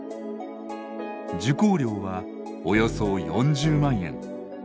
受講料はおよそ４０万円。